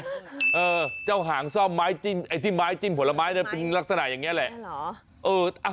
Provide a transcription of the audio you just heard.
เออจ้าวหางซ่อมที่ไม้จิ้มผลไม้เป็นลักษณะอย่างนี้แหละ